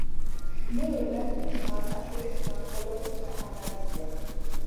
მეორე ნაწილში „სააკაშვილის მმართველობის ანალიზია“.